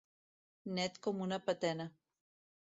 Net com una patena.